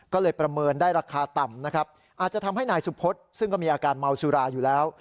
ก็เลยประเมินได้ราคาต่ำนะครับอาจจะทำให้นายสุพศซึ่งก็มีอาการเมาสุราอยู่แล้ว